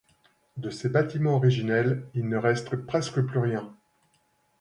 De ces bâtiments originels, il ne reste presque plus rien.